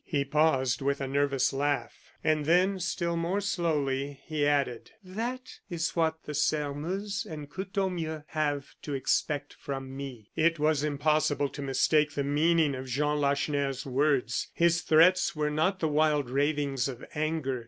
'" He paused with a nervous laugh, and then, still more slowly, he added: "That is what the Sairmeuse and Courtornieu have to expect from me." It was impossible to mistake the meaning of Jean Lacheneur's words. His threats were not the wild ravings of anger.